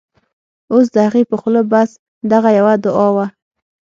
اوس د هغې په خوله بس، دغه یوه دعاوه